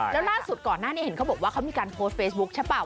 แล้วหน้าสุดก่อนหน้าเนี่ยเขาบอกว่ามีการโพสเฟซบุ๊คใช่ปะ